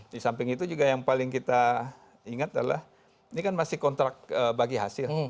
di samping itu juga yang paling kita ingat adalah ini kan masih kontrak bagi hasil